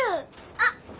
あっ！